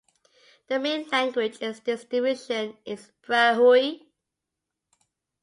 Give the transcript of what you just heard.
The main language in this division is Brahui.